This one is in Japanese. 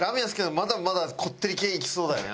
まだまだこってり系いきそうだよね